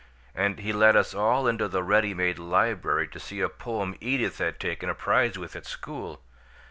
And he led us all into the ready made library to see a poem Edith had taken a prize with at school.